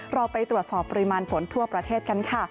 เราไปตรวจสอบปริมาณฝนทั่วประเทศกันค่ะ